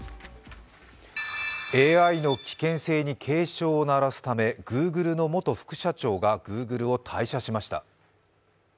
ＡＩの危険性に警鐘を鳴らすためＧｏｏｇｌｅの元副社長がＧｏｏｇｌｅを退社しました。